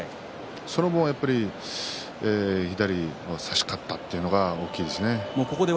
それも左を差し勝ったというのが大きいですね。